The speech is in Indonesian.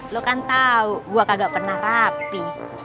lo kan tahu gue kagak pernah rapi